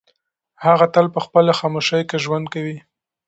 هغه تل په خپلې خاموشۍ کې ژوند کوي.